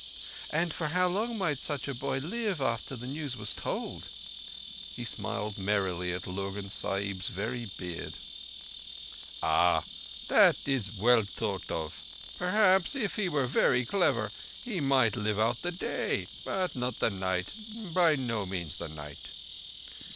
And for how long might such a boy live after the news was told?" He smiled merrily at Lurgan's Sahib's very beard. "Ah! That is to be well thought of. Perhaps if he were very clever, he might live out the day—but not the night. By no means the night."